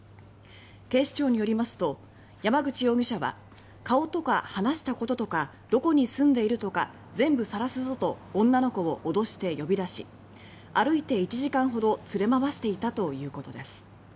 警視庁によりますと山口容疑者は女の子を「顔とか、話したこととかどこに住んでいるとか全部晒すぞ」と脅して呼び出し歩いて１時間ほど連れ回していたということです。